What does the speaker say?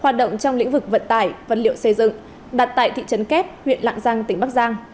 hoạt động trong lĩnh vực vận tải vật liệu xây dựng đặt tại thị trấn kép huyện lạng giang tỉnh bắc giang